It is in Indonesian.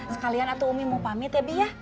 sekalian atau umi mau pamit ya bi ya